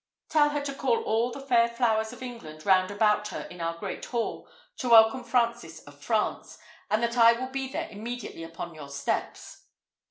Tell her to call all the fair flowers of England round about her in our great hall, to welcome Francis of France, and that I will be there immediately upon your steps."